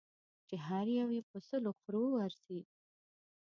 چې هر یو یې په سلو خرو ارزي.